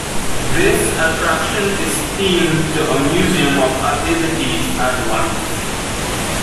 This attraction is themed to a museum of oddities and wax.